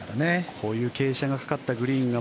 こういう傾斜がかかったグリーンが